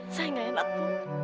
saya gak enak bu